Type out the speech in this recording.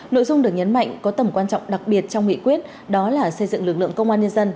nội dung được nhấn mạnh có tầm quan trọng đặc biệt trong nghị quyết đó là xây dựng lực lượng công an nhân dân